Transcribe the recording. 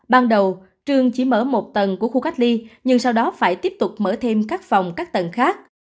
ban đầu trường chỉ mở một tầng của khu cách ly nhưng sau đó phải tiếp tục mở thêm các phòng các tầng khác